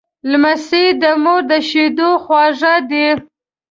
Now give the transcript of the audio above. لمسی د مور د شیدو خواږه دی.